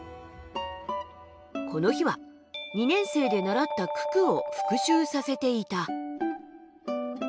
この日は２年生で習った九九を復習させていた。